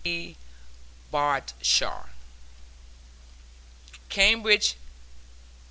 P. BARDSHAR. CAMBRIDGE, MD.